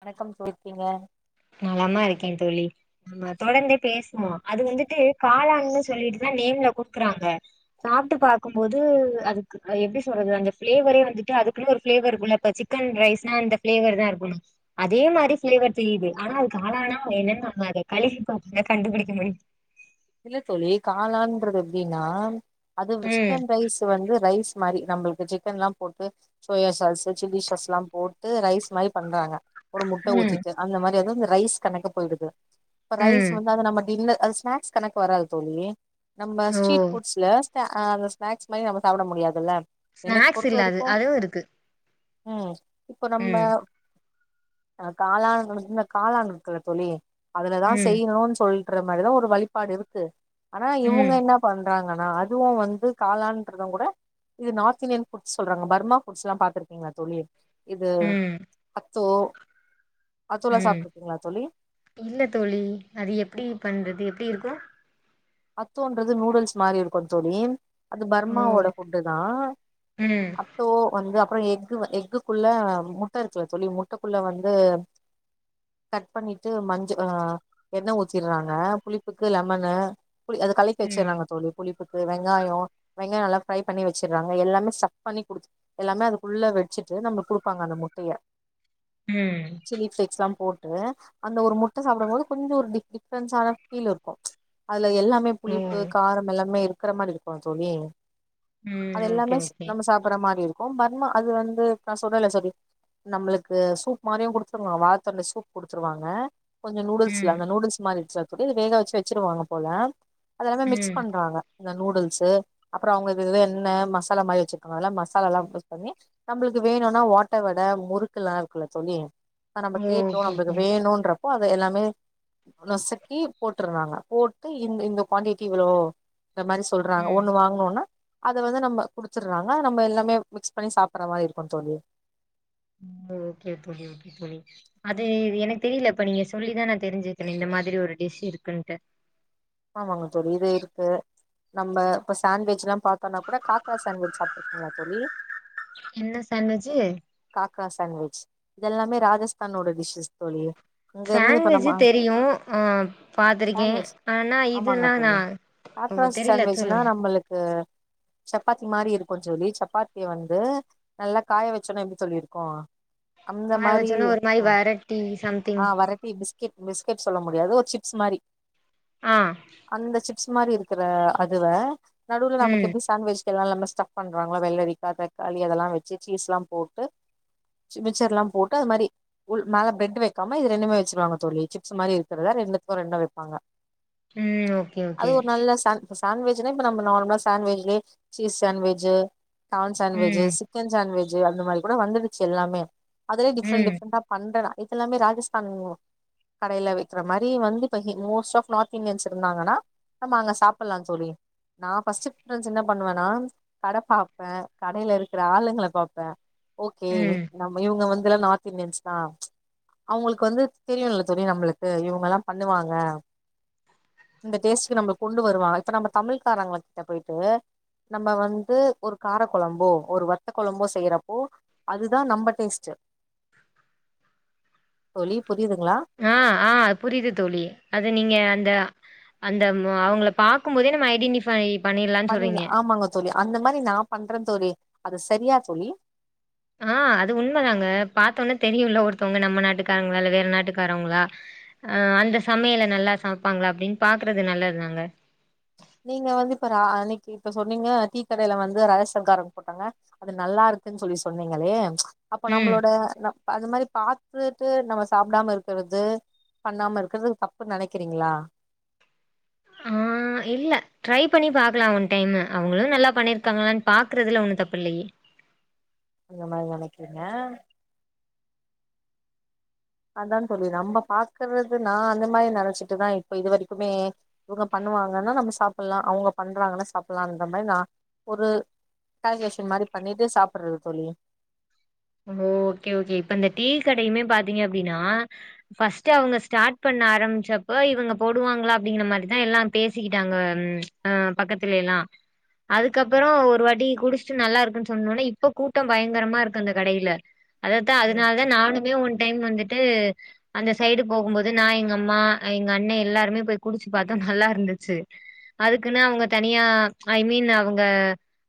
வணக்கம் தோழி எப்படி இருக்கிங்க நலமா இருக்கேன் தோழி தொடர்ந்தே பேசுவோ அது வந்துட்டு காளான்னு சொல்லிட்டுதா நேம்ல குடுக்கறாங்க சாப்ட்டு பாக்கும்போது அதுக் அது எப்டி சொல்றது அந்த ப்ளேவரே வந்துட்டு அதுக்குன் ஒரு ப்ளேவர் இருக்குல்ல இப்ப சிக்கன் ரைஸ்ன்னா அந்த ப்ளேவர் தா இருக்குணு அதே மாரி பிளேவர் தெரியுது ஆனா அது காளானா என்னன்னு நம்ம அத கழுவி பாத்து தா கண்டுபுடிக்க முடியு இல்ல தோழி காளான்றது எப்டினா அது ம் சிக்கன் ரைஸ் வந்து ரைஸ் மாரி நம்ளுக்கு சிக்கன்ல்லா போட்டு சோயா சாஸ்சு சில்லி சாஸ்சுல்லா போட்டு ரைஸ் மாரி பண்றாங்க ஒரு முட்ட ம் ஊத்திட்டு அந்த மாரி வந்து இந்த ரைஸ் கணக்க போயிடுது இப்ப ரைஸ் ம் வந்து அது நம்ம டின்னர் அது ஸ்நாக்ஸ் கணக்கு வராது தோழி நம்ப ஓ ஸ்ட்ரீட் ஃபுட்ஸ்ல ஆ அத ஸ்நாக்ஸ் மாரி நம்ம சாப்ட முடியாதுல்ல எனக்கு ஸ்நாக்ஸ் பொறுத்த இல்ல அது வரைக்கு அதுவு இருக்கு ம் இப்போ நம்ப ம் காளான் இந்த காளான் இருக்குல்ல தோழி அதுலதா ம் செய்ணுனு சொல் ற மாரிதா ஒரு வழிபாடு இருக்கு ஆனா இவுங்க ம் என்ன பண்றாங்கனா அதுவு வந்து காளான்ன்றத கூட இது நார்த் இந்தியன் ஃபுட்ஸ் சொல்றாங்க பர்மா ஃபுட்ஸ்ல்லா பாத்திருக்கீங்ளா தோழி இது ம் அத்தோ அத்தோலா சாப்ட்டுருக்கீங்ளா தோழி இல்லத் தோழி அது எப்டி பண்றது எப்டி இருக்கு அத்தோன்றது நூடுல்ஸ் மாரி இருக்குந்தோழி அது ஓ பர்மாவோட ஃபுட்டு தா ம் அத்தோ வந்து அப்றோ எக்கு எக்குக்குள்ள முட்ட இருக்குல தோழி முட்டக்குள்ள வந்து கட் பண்ணிட்டு மஞ்ச ஆ எண்ண ஊத்திடுறாங்க புளிப்புக்கு லெமனு புளி அது கலக்கி ம் வச்சர்றாங்க தோழி புளிப்புக்கு வெங்காயோ வெங்காயோ நல்லா ஃப்ரை பண்ணி வச்சர்றாங்க எல்லாமே ஸ்டஃப் பண்ணி குடுத்து எல்லாமே அதுக்குள்ள வெச்சுட்டு நமக் குடுப்பாங்க அந்த முட்டய ம் சில்லி ஃபளேக்ஸ்லா போட்டு அந்த ஒரு முட்ட சாப்டும்போது கொஞ்ச ஒரு டி டிஃப்ரென்ஷான ஃபீல்ருக்கு அதுல எல்லாமே ஓ புளிப்பு காரம் எல்லாமே இருக்கற மாரி இருக்குமா தோழி ம் அது ஓகே எல்லாமே ஓகே நம்ம சாப்பற மாரி இருக்கும் பர்மா அது வந்து நா சொல்றேல தோழி நம்ளுக்கு சூப் மாரியு குடுத்துருவாங்க வாழத்தண்டு சூப் குடுத்துருவாங்க கொஞ்ச நூடுல்ஸ்ல்ல ம் அந்த நுடுல்ஸ் மாரி இருந்ச்சு அது வேக வெச்சு வெச்சுருவாங்க போல அது எல்லாமே மிக்ஸ் ம் பண்றாங்க இந்த நூடுல்ஸ்சு அப்றம் அவங்க இது இது என்ன மசாலா மாரி வெச்சுக்கணுல்ல மசாலால்லா யூஸ் பண்ணி நம்ளுக்கு வேணுனா ஓட்ட வட முறுக்குலா இருக்குல்ல தோழி இப்ப நம்ப ஓ கேட்டோ ஓகே நம்ளுக்கு ஓகே வேணுன்ற ப்ப அத எல்லாமே நொசக்கி போட்டுர்றாங்க போ ட்டு இந்த இந்த குவாண்டட்டி இவ்ளோ இந்த மாரி சொல்றாங்க ம் ஒண்ணு வாங்ணுனா அத வந்து நம்ப குடுத்தர்றாங்க நம்ப எல்லாமே மிக்ஸ் பண்ணி சாப்பிர்ற மாரி இருக்கு தோழி ம் ஓகே தோழி ஓகே தோழி அது எனக் தெரில இப்ப நீங்க சொல்லிதா நா தெரிஞ்சுக்ரே இந்த மாரி ஒரு டிஷ் இருக்குன்ட்டு ஆமாங்க தோழி இது இருக்கு நம்ப இப்ப சண்ட்விச்ல்லா பாத்தோனா கூட காக்ரா சண்ட்விச் சாப்ட்ருக்கீங்ளா தோழி என்ன சான்விஜ்ஜி காக்ரா சான்விஜ் இதெல்லாமே ராஜஸ்தானோட டிஷ்ஷஸ் தோழி அங்க இருந்து இப்ப நம்ம சாண்ட்விஜ்ஜி தெரியு ஆ பாத்துருக்கே சாண்ட்விச் ஆமாங்க தோழி காக்ரா தெரியல சாண்ட்விச்னா சொல்லுங்க நம்மளுக்கு சப்பாத்தி மாரி இருக்கு தோழி சப்பாத்திய வந்து நல்லா காய வெச்சோன்னா எப்டி தோழி இருக்கும் அந்த காய மாரி வச்சோன ம் ஒரு மாரி ஆ வெரைட்டி சம்திங் ஆ வரட் ட்டி பிஸ்கெட் பிஸ்கெட் சொல்ல முடியாது ஒரு சிப்ஸ் மாரி ஆ அந்த சிப்ஸ் மாரி இருக்கற அதுவ நடுவுல நமக்கு ம் எப்டி சாண்ட்வஜ் எல்லா நம்ம ஸ்டஃப் பண்றாங்களா வெள்ளரிக்கா தக்காளி அதெல்லா வெச்சு சீஸ்ல்லாம் போட்டு சி மிச்சர்லாம் போட்டு அது மாரி உள் மேல பிரட் வைக்காம இது ரெண்டுமே வெச்சிருவங்க தோழி சிப்ஸ் மாரி இருக்கிறத ரெண்டுத்துக்கும் ரெண்டும் வெப்பாங்க ம் ஓ அது ஒரு நல்ல சான் இப்ப சாண்ட்வெஜ்னா இப்ப நம்ம நார்மலா சாண்ட்வெஜ்லே சீஸ் சாண்ட்வெஜ் கான் சாண்ட்வெஜ் ம் சிக்கன் சாண்ட்வெஜ் அந்த மாரி கூட வந்துருச்சு எல்லாமே அதுலே டிஃப்ரெண்ட் ம் டிஃப்ரெண்டா பண்றலா இது எல்லாமே ராஜஸ்தான் கடையில விக்கிற மாரி வந்து இப்ப he most of North Indians இருந்தாங்கன்னா நம்ம அங்க சாப்புலாம் தோழி நான் ஃபர்ஸ்ட் பிரிஃபரன்ஸ் என்ன பண்ணுவன்னா கட பாப்பே கடையில இருக்குற ஆளுங்கள பாப்பே ஓகே ம் நம்ம இவங்க வந்து எல்லா நார்த் இந்தியன்ஸ் தா அவங்களுக்கு வந்து தெரியுல்ல தோழி நம்முளுக்கு இவங்கல்லா பண்ணுவாங்க இந்த டேஸ்டுக்கு நம்புளுக் கொண்டு வருவாங்க இப்ப நம்ப தமிழ்காரங்கிட்ட போயிட்டு நம்ப வந்து ஒரு கார கொழம்போ ஒரு வத்த கொழம்போ செய்றப்போ அதுதா நம்ப டேஸ்ட்டு தோழி புரியுதுங்ளா ஆ ஆ புரிது தோழி அது நீங்க அந்த அந்த மு அவங்கள பாக்கு போதே நம்ம ஐடின்டிஃபை [unintelligible] ஆமாங்க தோழி அந்த மாரி நான் பண்றே தோழி அது சரியா தோழி ஆ அது உண்மதாங்க பாத்தோனே தெரியுல ஒருத்தவங்க நம்ம நாட்டுக்காரங்ளா இல்ல வேற நாட்டுக்காரவங்ளா ஆ அந்த சமையல நல்லா சமப்பாங்ளா அப்டின்னு பாக்குறது நல்லதுதாங்க நீங்க வந்து இப்ப ரா அன்னைக்கு இப்ப சொன்னீங்க டீக்கடையில வந்து ரகசியம் காரம் போட்டாங்க அது நல்லா இருக்குன்னு சொல்லி சொன்னீங்களே அப்போ ம். நம்புளோட நம் அது மாரி பாத்துட்டு நம்ம சாப்டாம இருக்குறது பண்ணாம இருக்கறதுக்கு தப்புன் நெனைக்கிறீங்ளா ஆ அ இல்ல ட்ரை பண்ணி பாக்கலா ஒன் டைம்மு அவங்களு நல்லா பண்ணிருக்காங்களானு பாக்குறதுல ஒண்ணு தப்பு இல்லயே அந்த மாரி நெனைக்கிறீங்க அதான் தோழி நம்ப பாக்குறது நா அந்த மாரி நெனச்சிட்டுதா இப்ப இது வரைக்குமே இவங்க பண்ணுவாங்கன்னா நம்ம சாப்புலா அவங்க பண்றாங்கன்னா சாப்புலான்ற மாரி நான் ஒரு கால்குலேசன் மாரி பண்ணிட்டே சாப்புட்றது தோழி ம் ஓகே ஓகே இப்ப அந்த டீ கடையுமே பாத்தீங்க அப்டின்னா ஃபர்ஸ்ட்டே அவங்க ஸ்டார்ட் பண்ண ஆரம்பிச்சப்ப இவங்க போடுவாங்ளா அப்டிங்கிற மாரிதா எல்லா பேசிக்கிட்டாங்க ம் ஆ பக்கத்துலே ல்லா அதுக்கப்புறோ ஒரு வாட்டி குடிச்சுட்டு நல்லா இருக்குன் சொன்னோன்னே இப்ப கூட்டம் பயங்கரமா இருக்கு அந்தக் கடையில அததா ம் அதனால தா நானுமே ஒன் டைம் வந்துட்டு அந்த சைடு போகும்போது நா எங்க அம்மா அ எங்க அண்ணே எல்லாருமே போய் குடிச்சு பாத்தோம் நல்லா இருந்துச்சு அதுக்குன்னு அவங்க தனியா ஐ மீன் அவங்க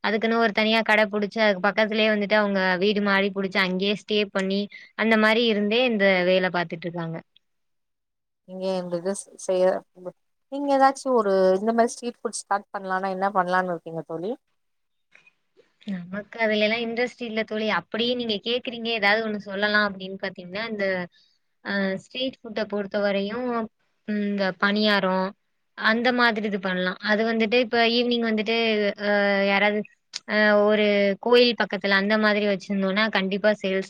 அதுக்குன்னு ஒரு தனியா கட புடிச்சு அது பக்கத்துலே வந்துட்டு அவங்க வீட் இது மாரி புடிச்சு அங்கே ஸ்டே பண்ணி அந்த மாரி இருந்தே இந்த வேல பாத்துட்ருக்காங்க இங்க இந்தத செய்ய நீங்க எதாச்சு ஒரு இந்த மாரி ஸ்ட்ரீட் ஃபுட் ஸ்டார்ட் பண்லானா என்ன பண்லான் இருக்கீங்க தோழி? நமக்கு அதுலைலா இன்ட்ரெஸ்ட் இல்ல தோழி அப்புடியே நீங்க கேக்குறீங்க எதாவ்து ஒன்னு சொல்லலா அப்டின் பாத் திங்னா அந்த அ ஸ்ட்ரீட் ஃபுட்ட பொருத்தவரையு ம் இந்த பனியாரோ அந்த மாதிரி இது பண்லா அது வந்துட்டு இப்ப ஈவ்னிங் வந்துட்டு அ யாராது ஆ ஒரு கோயில் பக்கத்துல அந்த மாதிரி வச்சிருந்தோன்னா கண்டிப்பா சேல்ஸ்